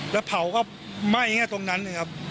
แล้วเผาก็ไหม้แค่ตรงนั้นเลยครับ